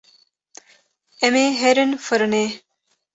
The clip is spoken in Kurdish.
Em ê herin firnê.